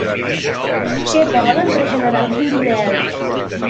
Què poden regenerar els urodels?